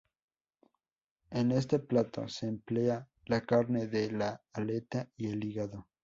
En este plato se emplea la carne de la aleta y el hígado.